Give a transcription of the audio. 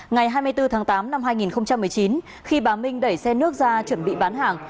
ngày hai mươi bốn tháng tám năm hai nghìn một mươi chín khi bà minh đẩy xe nước ra chuẩn bị bán hàng